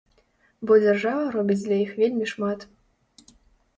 Бо дзяржава робіць для іх вельмі шмат.